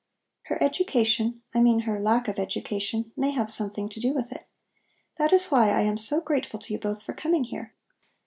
Her education, I mean her lack of education, may have something to do with it. That is why I am so grateful to you both for coming here.